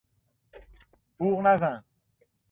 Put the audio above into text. بوق نزن!